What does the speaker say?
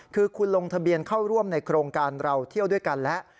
คือคุณลงทะเบียนเข้าร่วมในโครงการเราเที่ยวด้วยกันแล้ว